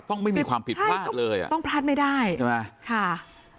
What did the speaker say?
ไม่มีความผิดพลาดเลยอ่ะต้องพลาดไม่ได้ใช่ไหมค่ะ